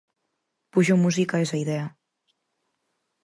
Puxo música a esa idea.